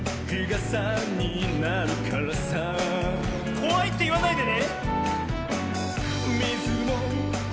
「こわい」っていわないでね。